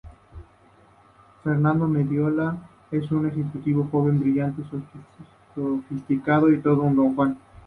Fernando Mendiola es un ejecutivo joven, brillante, sofisticado y todo un "Don Juan".